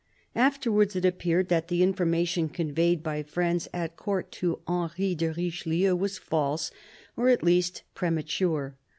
After wards it appeared that the information, conveyed by friends at Court to Henry de Richelieu, was false, or at least premature.